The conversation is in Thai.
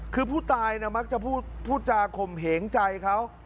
คือผู้ตายมักจะพูดมากจะพูดจากห่มเหงใจไป